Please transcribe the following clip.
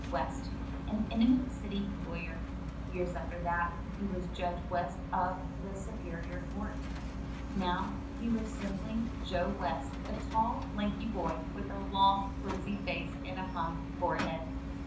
West, an eminent city lawyer. Years after that, he was Judge West of the Superior Court. Now he was simply Joe West, a tall, lanky boy with a long, rosy face and a high forehead.